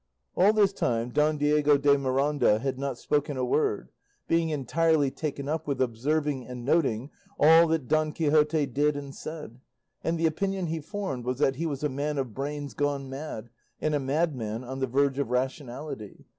All this time, Don Diego de Miranda had not spoken a word, being entirely taken up with observing and noting all that Don Quixote did and said, and the opinion he formed was that he was a man of brains gone mad, and a madman on the verge of rationality.